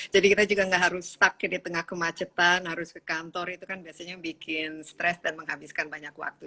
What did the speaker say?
jadi kita juga gak harus stuck di tengah kemacetan harus ke kantor itu kan biasanya bikin stress dan menghabiskan banyak waktu